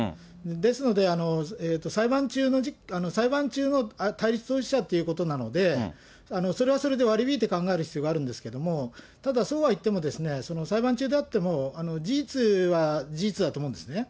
ですので、裁判中の対立当事者ということなので、それはそれで割り引いて考える必要があるんですけれども、ただ、そうはいっても、裁判中であっても、事実は事実だと思うんですね。